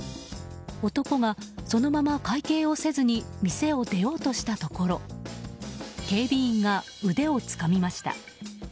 男がそのまま会計をせずに店を出ようとしたところ警備員が腕をつかみました。